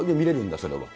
それは。